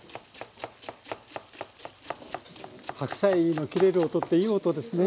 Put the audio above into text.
白菜の切れる音っていい音ですね。